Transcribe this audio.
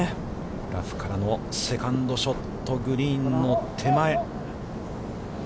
ラフからのセカンドショット、グリーンの手前。